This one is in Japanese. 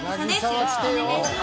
よろしくお願いします。